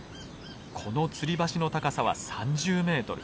このつり橋の高さは３０メートル。